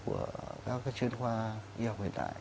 của các cái chuyên khoa y học hiện đại